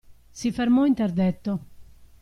Si fermò interdetto.